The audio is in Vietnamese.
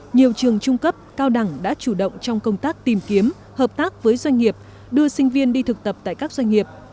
nhiều trường trung cấp cao đẳng đã chủ động trong công tác tìm kiếm hợp tác với doanh nghiệp đưa sinh viên đi thực tập tại các doanh nghiệp